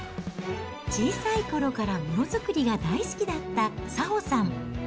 小さいころからもの作りが大好きだった早穂さん。